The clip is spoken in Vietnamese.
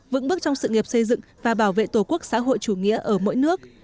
vững bước trong sự nghiệp xây dựng và bảo vệ tổ quốc xã hội chủ nghĩa ở mỗi nước